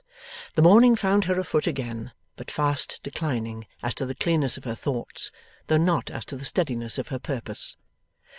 The morning found her afoot again, but fast declining as to the clearness of her thoughts, though not as to the steadiness of her purpose.